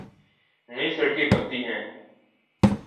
نئی سڑکیں بنتی ہیں۔